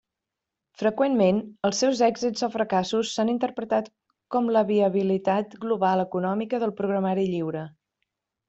Freqüentment, els seus èxits o fracassos s'han interpretat com la viabilitat global econòmica del programari lliure.